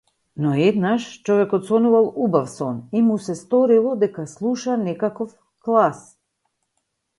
Но еднаш човекот сонувал убав сон и му се сторило дека слуша некаков клас.